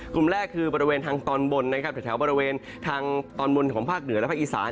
กลุ่มแรกคือบริเวณทางตอนบนนะครับแถวบริเวณทางตอนบนของภาคเหนือและภาคอีสาน